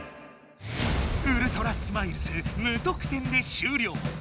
ウルトラスマイルズ無得点でしゅうりょう。